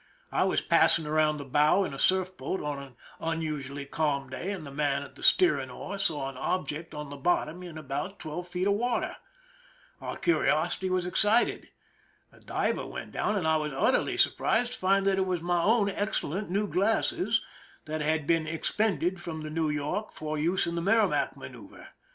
I was passing around the bow in a surf boat on an unusually calm day, and the man at the steering oar saw an object on the bottom in about twelve feet of water. Our curiosity was ^excited. A diver went down, and I was utterly surprised to find that it was my own excellent new glasses, that had been " expended " from the New YorJc for use in the Merrimac manoeuver.